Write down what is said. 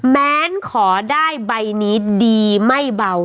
แม้นขอได้ใบนี้ดีไม่เบา